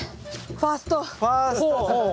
ファースト保温。